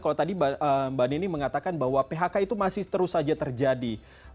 kalau tadi mbak nini mengatakan bahwa phk itu masih terus saja terjadi